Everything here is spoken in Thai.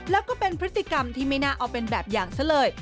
แล้วก็เป็นพฤติกรรมที่ไม่น่าเอาเป็นแบบอย่างซะเลย